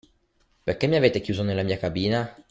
Perché mi avete chiuso nella mia cabina?